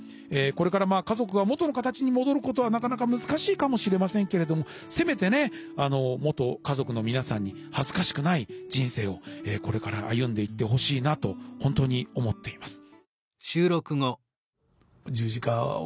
これからまあ家族が元の形に戻ることはなかなか難しいかもしれませんけれどもせめてね元家族の皆さんに恥ずかしくない人生をこれから歩んでいってほしいなと本当に思っています。